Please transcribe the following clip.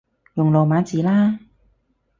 用羅馬字啦